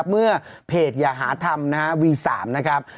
เมื่อเพจอย่าหาธรรมวี๓นะครับ